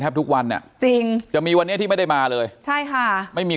ทุกวันเนี่ยจริงจะมีวันนี้ที่ไม่ได้มาเลยใช่ค่ะไม่มี